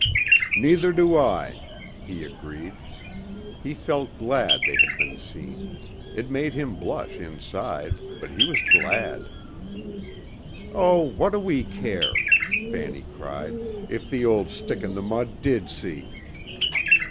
"Neither do I," he agreed. He felt glad they had been seen. It made him blush inside but he was glad. "Oh, what do we care?" Fanny cried, "if the old stick in the mud did see."